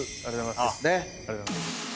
ありがとうございます。